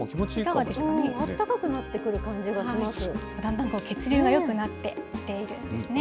あったかくなってくる感じがだんだんと血流がよくなってきているんですね。